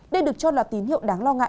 đây được cho là tín hiệu đáng lo ngại